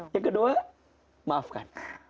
yang kedua maafkan